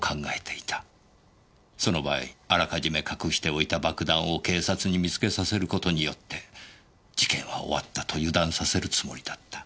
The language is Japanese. その場合あらかじめ隠しておいた爆弾を警察に見つけさせる事によって事件は終わったと油断させるつもりだった。